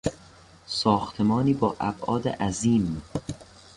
ساختمانی با ابعاد عظیم